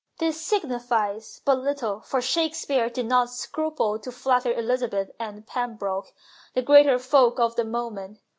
This sig nifies but little, for Shakespeare did not scruple to flatter Elizabeth and Pembroke, the greater folk of the moment.